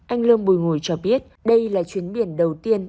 anh lương bùi ngùi cho biết đây là chuyến biển đầu tiên